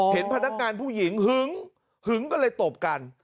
เห็นพนักงานผู้หญิงหึงหึงก็เลยตบกัน